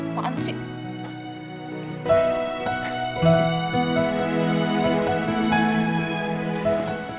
eh apaan sih